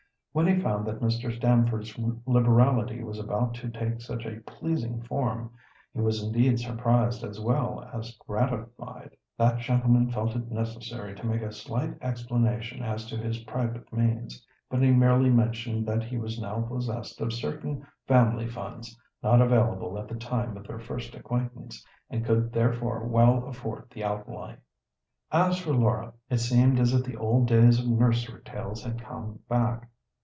When he found that Mr. Stamford's liberality was about to take such a pleasing form, he was indeed surprised as well as gratified. That gentleman felt it necessary to make a slight explanation as to his private means, but he merely mentioned that he was now possessed of certain family funds not available at the time of their first acquaintance, and could therefore well afford the outlay. As for Laura, it seemed as if the old days of nursery tales had come back.